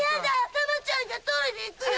珠ちゃんが取りに行くよ！